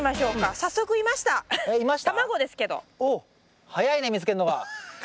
早いね見つけるのが。